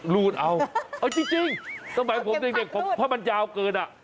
รูดเอาจริงสมัยผมเกินเด็กพอมันยาวเกิน